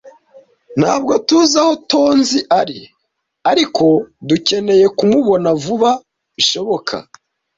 Ntabwo tuzi aho Tonzi ari, ariko dukeneye kumubona vuba bishoboka.